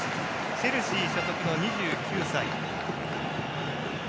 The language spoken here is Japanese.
チェルシー所属の２９歳。